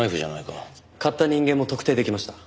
買った人間も特定できました。